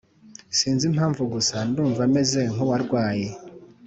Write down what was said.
sinzi impamvu gusa ndumv mez nkuwarwaye